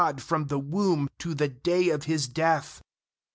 7 JUDGES from the womb to the day of his death.'